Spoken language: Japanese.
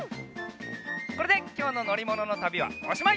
これできょうののりもののたびはおしまい！